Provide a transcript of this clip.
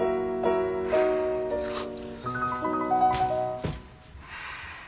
そう。